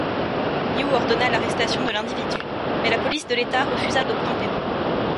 Hughes ordonna l'arrestation de l'individu mais la police de l'État refusa d'obtempérer.